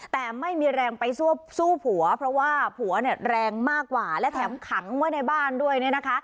แต่ไม่มีแรงไปสู้ผัวเพราะว่าผัวเนี่ยแรงมากกว่าและแถมขังไว้ในบ้านด้วยเนี่ยนะคะ